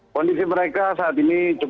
kondisi mereka saat ini